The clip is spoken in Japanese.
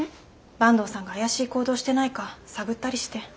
坂東さんが怪しい行動してないか探ったりして。